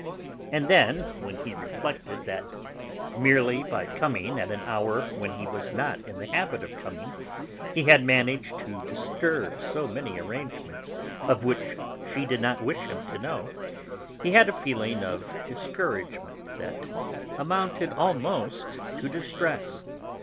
And then, when he reflected that, merely by coming at an hour when he was not in the habit of coming, he had managed to disturb so many arrangements of which she did not wish him to know, he had a feeling of discouragement that amounted, almost, to distress.